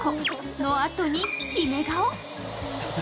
のあとにキメ顔。